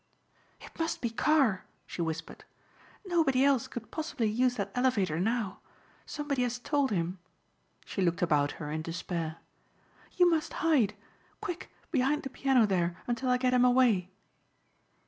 "It must be Carr," she whispered. "Nobody else could possibly use that elevator now. Somebody has told him." She looked about her in despair. "You must hide. Quick, behind the piano there until I get him away."